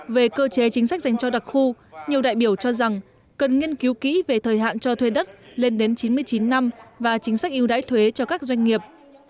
về cơ chế chính sách dành cho đặc khu nhiều đại biểu cho rằng cần nghiên cứu kỹ về thời hạn cho thuê đất lên đến chín mươi chín năm và chính sách yêu đãi thuế cho các doanh nghiệp